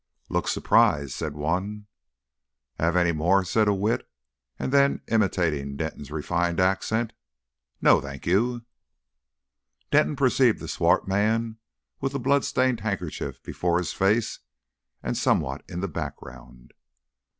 "Looks surprised," said some one. "'Ave any more?" said a wit; and then, imitating Denton's refined accent. "No, thank you." Denton perceived the swart man with a blood stained handkerchief before his face, and somewhat in the background.